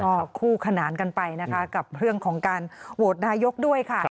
ก็คู่ขนานกันไปนะคะกับเรื่องของการโหวตนายกด้วยค่ะ